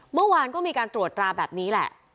เมื่อวานก็มีการตรวจตราแบบนี้แหละ